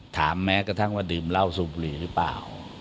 แม้กระทั่งว่าดื่มเหล้าสูบบุหรี่หรือเปล่า